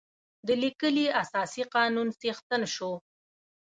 د لیکلي اساسي قانون څښتن شو.